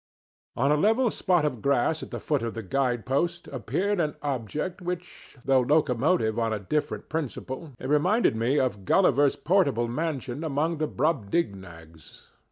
On a level spot of grass at the foot of the guide post appeared an object which, though locomotive on a different principle, reminded me of Gulliver's portable mansion among the Brobdignags.